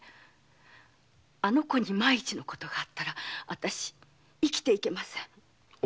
あの子に万一のことがあったら私生きていけません。